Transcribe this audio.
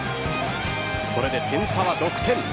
これで点差は６点。